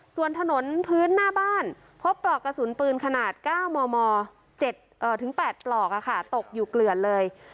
ส่วนถนนพื้นหน้าบ้านพบปลอกกระสุนปืนขนาด๙มม๗๘ปลอกตกอยู่เกลือนเลย